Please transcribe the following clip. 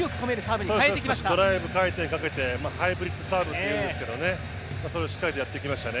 ドライブ回転をかけてハイブリッドサーブっていうんですがそれをしっかりとやってきましたね。